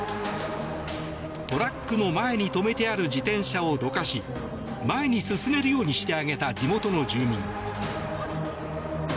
トラックの前に止めてある自転車をどかし前に進めるようにしてあげた地元の住民。